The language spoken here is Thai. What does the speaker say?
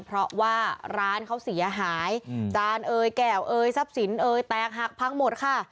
เพราะว่าร้านเขาเสียหายจานเอยแก้วเอ่ยทรัพย์สินเอ่ยแตกหักพังหมดค่ะ